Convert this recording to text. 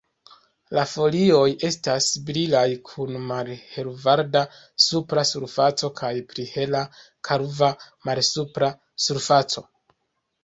La folioj estas brilaj kun malhelverda supra surfaco kaj pli hela, kalva malsupra surfaco.